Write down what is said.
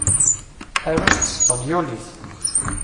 Aru s tespenyulit.